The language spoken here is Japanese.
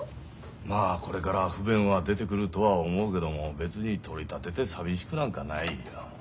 まあこれから不便は出てくるとは思うけども別に取り立てて寂しくなんかないよ。